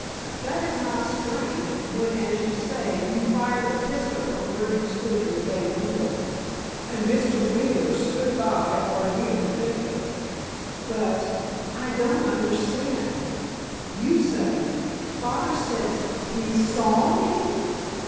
That is not strange, when, as you say, you fired the pistol from where you stood in the bay window, and Mr. Wheeler stood by or near the victim." "But—I don't understand. You say, father says he saw me?"